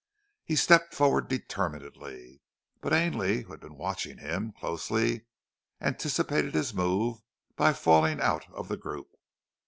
He stepped forward determinedly; but Ainley, who had been watching him closely, anticipated his move by falling out of the group.